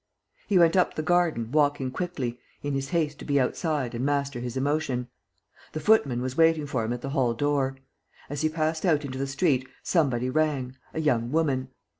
He went up the garden, walking quickly, in his haste to be outside and master his emotion. The footman was waiting for him at the hall door. As he passed out into the street, somebody rang, a young woman.